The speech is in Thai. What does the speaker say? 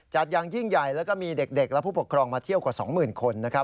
อย่างยิ่งใหญ่แล้วก็มีเด็กและผู้ปกครองมาเที่ยวกว่า๒๐๐๐คน